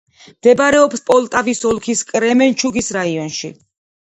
მდებარეობს პოლტავის ოლქის კრემენჩუგის რაიონში.